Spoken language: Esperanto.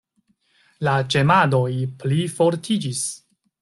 La ĝemadoj plifortiĝis.